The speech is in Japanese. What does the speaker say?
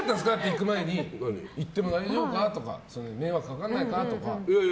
行く前に行っても大丈夫かとか迷惑かからないか？とか。